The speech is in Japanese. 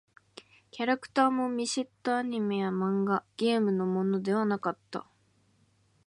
キャラクターも見知ったアニメや漫画、ゲームのものではなかった。